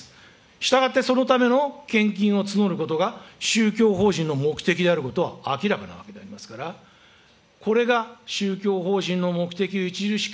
したがって、そのための献金を募ることが、宗教法人の目的であることは明らかなわけでありますから、ただいま！